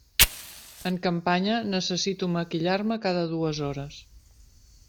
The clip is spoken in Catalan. En campanya necessito maquillar-me cada dues hores.